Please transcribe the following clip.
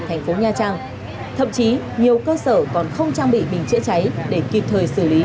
thành phố nha trang thậm chí nhiều cơ sở còn không trang bị bình chữa cháy để kịp thời xử lý